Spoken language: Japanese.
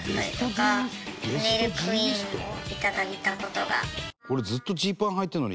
いただいた事が。